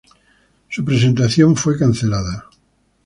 Su presentación fue cancelada.